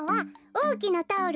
おおきなタオルと。